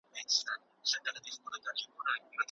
په درنښت عبدالباري جهاني